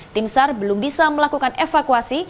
tim sar belum bisa melakukan evakuasi